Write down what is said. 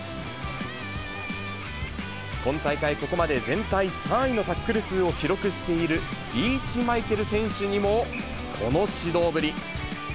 今大会、ここまで全体３位のタックル数を記録しているリーチマイケル選手にもこの指導ぶり。